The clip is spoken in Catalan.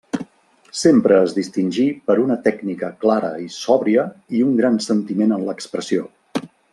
Sempre es distingí per una tècnica clara i sòbria i un gran sentiment en l'expressió.